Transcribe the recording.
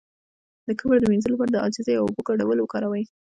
د کبر د مینځلو لپاره د عاجزۍ او اوبو ګډول وکاروئ